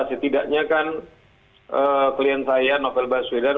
setidaknya kan klien saya novel baswedan